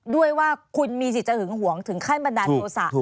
ด้วยว่าคุณมีสิทธิ์หึงหวงถึงขั้นบันดาลโทษะ